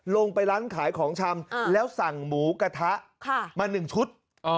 ลงไปร้านขายของชำแล้วสั่งหมูกระทะมา๑ชุด